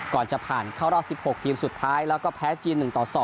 ก่อนจะผ่านเข้ารอบ๑๖ทีมสุดท้ายแล้วก็แพ้จีน๑ต่อ๒